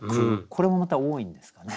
これもまた多いんですかね？